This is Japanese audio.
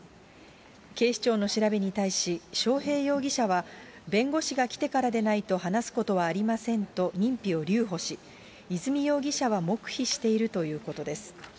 警視庁の調べに対し、章平容疑者は、弁護士が来てからでないと話すことはありませんと認否を留保し、和美容疑者は黙秘しているということです。